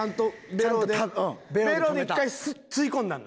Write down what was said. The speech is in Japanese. ベロで１回吸い込んだんだ。